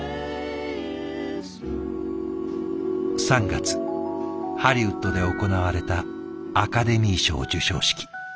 ３月ハリウッドで行われたアカデミー賞授賞式。